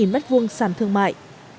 năm mươi m hai sản thương mại